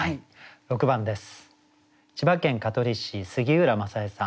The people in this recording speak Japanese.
６番です。